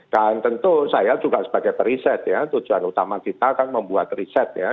dan tentu saya juga sebagai periset ya tujuan utama kita kan membuat riset ya